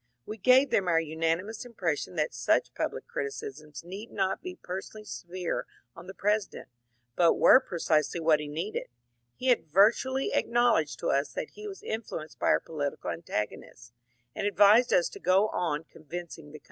We gave them our unanimous impression that such public criticisms need not be personally severe on the President, but were precisely what he needed ; he had virtually acknowledged to us that he was influenced by our political antagonists, and advised us to go on convincing the coimtry.